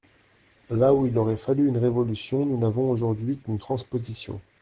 Là où il aurait fallu une révolution nous n’avons aujourd’hui qu’une transposition.